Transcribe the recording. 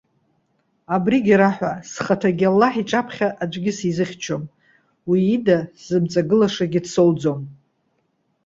Абригьы раҳәа:- Схаҭагьы Аллаҳ иҿаԥхьа аӡәгьы сизыхьчом. Уи ида сзымҵагылашагьы дсоуӡом.